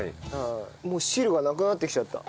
もう汁がなくなってきちゃった。